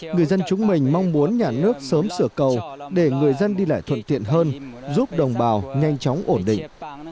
người dân chúng mình mong muốn nhà nước sớm sửa cầu để người dân đi lại thuận tiện hơn giúp đồng bào nhanh chóng ổn định